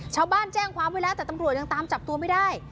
ชาวบ้านแจ้งความไว้แล้วแต่ตำรวจยังตามจับตัวไม่ได้